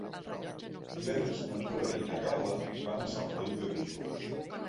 Divendres na Tura i na Gal·la van a Sant Feliu de Guíxols.